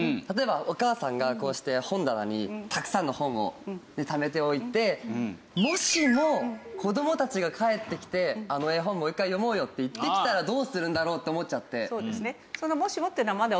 例えばお母さんがこうして本棚にたくさんの本をためておいてもしも子どもたちが帰ってきて「あの絵本もう一回読もうよ」って言ってきたらどうするんだろう？って思っちゃって。